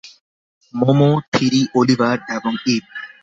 Momo, Thiri, Oliver এবং eve.